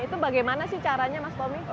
itu bagaimana sih caranya mas tommy